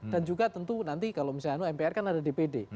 dan juga tentu nanti kalau misalnya mpr kan ada dpd